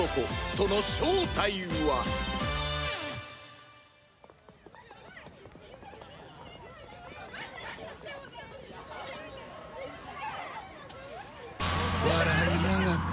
その正体は笑いやがって！